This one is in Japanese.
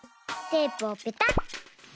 テープをペタッ。